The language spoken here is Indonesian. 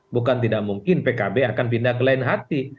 bukan tidak mungkin pkb akan pindah ke lain hati